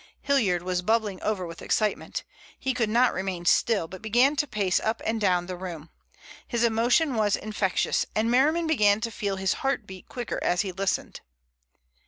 Hilliard was bubbling over with excitement. He could not remain still, but began to pace up and down the room. His emotion was infectious, and Merriman began to feel his heart beat quicker as he listened.